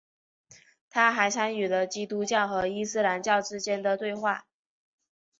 他还参与了基督教和伊斯兰教之间的对话。